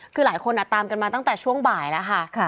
คือหลายคนตามกันมาตั้งแต่ช่วงบ่ายแล้วค่ะ